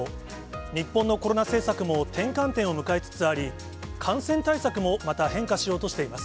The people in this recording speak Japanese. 日本のコロナ政策も転換点を迎えつつあり、感染対策も、また変化しようとしています。